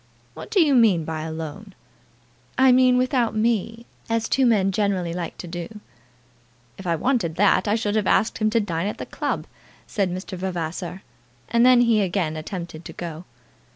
"What do you mean by alone?" "I meant without me, as two men generally like to do." "If I wanted that I should have asked him to dine at the club," said Mr. Vavasor, and then he again attempted to go.